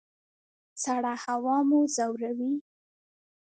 سړه هوا مو ځوروي؟